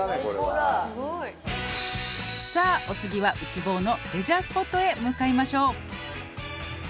「さあお次は内房のレジャースポットへ向かいましょう」